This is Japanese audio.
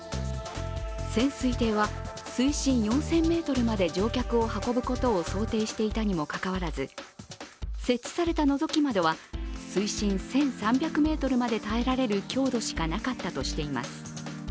潜水艇は水深４０００ｍまで乗客を運ぶことを想定していたにもかかわらず設置されたのぞき窓は水深１３００ｍまで耐えられる強度しかなかったとしています。